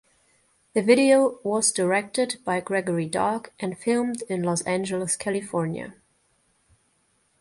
The video was directed by Gregory Dark and filmed in Los Angeles, California.